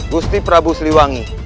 gusti prabu sliwangi